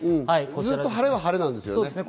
ずっと、晴れは晴れなんですよね。